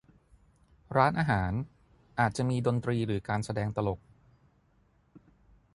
ร้านอาหาร อาจจะมีดนตรีหรือการแสดงตลก